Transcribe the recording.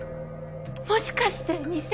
もしかして偽物？